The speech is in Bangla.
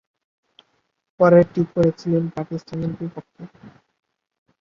পরেরটি করেছিলেন পাকিস্তানের বিপক্ষে।